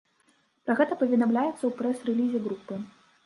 Пра гэта паведамляецца ў прэс-рэлізе групы.